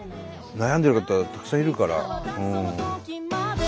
悩んでる方たくさんいるから。